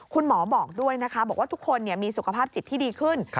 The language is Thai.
คุณหมอบอกด้วยนะคะบอกว่าทุกคนมีสุขภาพจิตที่ดีขึ้น